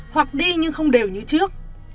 hoặc đi nhưng không đều như trước